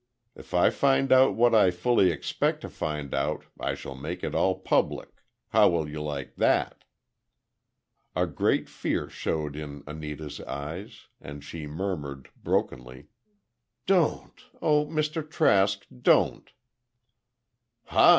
If I find out what I fully expect to find out I shall make it all public—how will you like that?" A great fear showed in Anita's eyes, and she murmured, brokenly: "Don't—oh, Mr. Trask, don't!" "Hah!